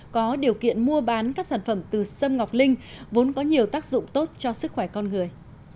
có điều kiện mua bán các sản phẩm từ sâm ngọc linh vốn có nhiều tác dụng tốt cho sức khỏe con người